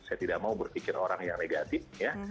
saya tidak mau berpikir orang yang negatif ya